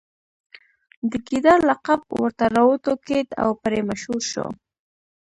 د ګیدړ لقب ورته راوټوکېد او پرې مشهور شو.